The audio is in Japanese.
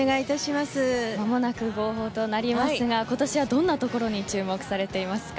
間もなく号砲となりますが今年はどんなところに注目ですか。